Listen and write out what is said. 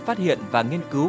phát hiện và nghiên cứu